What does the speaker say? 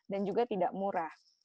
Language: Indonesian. dan juga tidak murah